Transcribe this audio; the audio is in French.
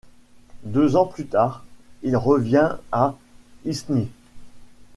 Deux ans plus tard, il revient à Isny.